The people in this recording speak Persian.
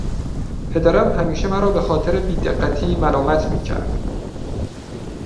پدرم همیشه مرا بخاطر بیدقتی ملامت میکرد.